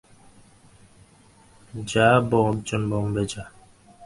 খুব সাবাস! একজন মান্দ্রাজে যা, একজন বোম্বে যা।